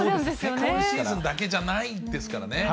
今シーズンだけじゃないんですからね。